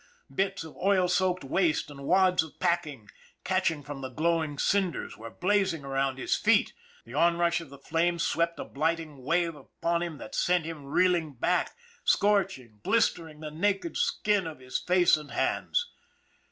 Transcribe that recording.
Bits of oil soaked waste and wads of packing, catching from the glowing cinders, were blazing around his feet, the on rush of the flames swept a blighting wave upon him that sent him reeling back, scorching, blistering the naked skin of his face and hands.